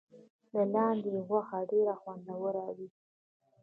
د لاندي غوښه ډیره خوندوره وي.